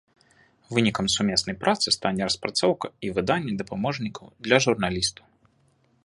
Вынікам сумеснай працы стане распрацоўка і выданне дапаможнікаў для журналістаў.